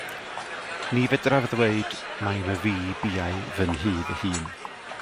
Ni fedraf ddweud mai myfi biau fy nhŷ fy hun.